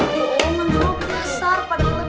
tuh orang menjual besar pada kelebay